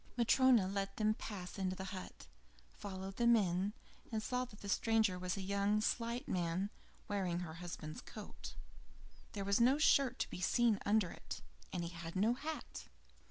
Matryona let them pass into the hut, followed them in, and saw that the stranger was a young, slight man, wearing her husband's coat. There was no shirt to be seen under it, and he had no hat.